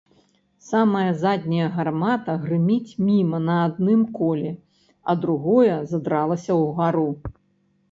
Самая задняя гармата грыміць міма на адным коле, а другое задралася ўгару.